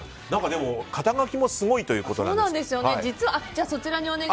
でも、肩書もすごいということなんです。